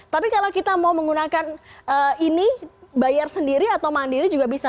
tapi kalau kita mau menggunakan ini bayar sendiri atau mandiri juga bisa